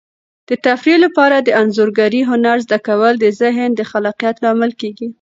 د تفریح لپاره د انځورګرۍ هنر زده کول د ذهن د خلاقیت لامل کیږي.